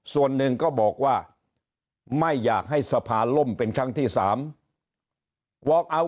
ส่วนหนึ่งก็บอกว่าไม่อยากให้สภาล่มเป็นครั้งที่๓บอกเอา